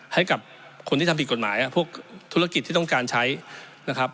ให้กับคนที่ทำผิดกฎหมายพวกธุรกิจที่ต้องการใช้นะครับ